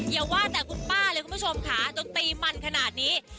อย่าว่าแต่คุณป้าเลยคุณผู้ชมค่ะจนตีมันขนาดนี้